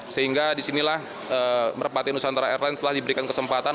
sehingga disinilah merpati nusantara airline telah diberikan kesempatan